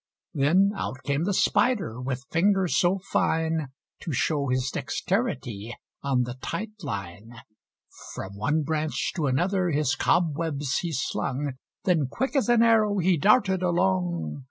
Then out came the Spider, with finger so fine, To show his dexterity on the tight line. From one branch to another his cobwebs he slung, Then quick as an arrow he darted along.